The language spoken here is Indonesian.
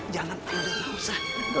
jangan jangan jangan